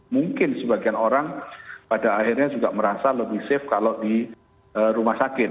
mungkin sebagian orang pada akhirnya juga merasa lebih safe kalau di rumah sakit